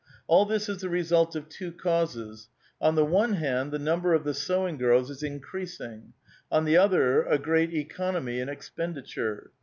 All this is the result of two causes. On the one hand, the number of the sewing girls is increas ing ; on the other, a great economy in expenditure.